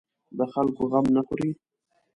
د خلکو غم نه خوري.